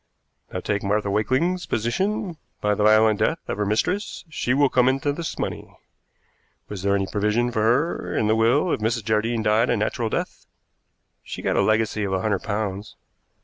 Now take Martha Wakeling's position. By the violent death of her mistress she will come into this money. Was there any provision for her in the will if Mrs. Jardine died a natural death?" "She got a legacy of a hundred pounds."